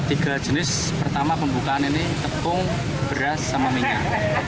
tiga jenis pertama pembukaan ini tepung beras sama minyak